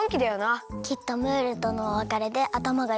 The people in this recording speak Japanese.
きっとムールとのおわかれであたまがいっぱいだったんだよ。